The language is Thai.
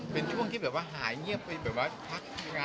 เป็นช่วงที่หายเงียบไปแบบว่าพักกันอย่างไร